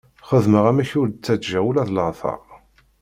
Xedmeɣ amek ur d-ttaǧǧiɣ ula d lateṛ.